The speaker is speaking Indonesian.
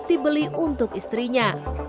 bukti beli untuk istrinya